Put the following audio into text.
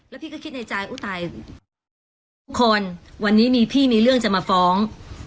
แล้วพี่ก็คิดในใจอุ๊ตายทุกคนวันนี้มีพี่มีเรื่องจะมาฟ้อง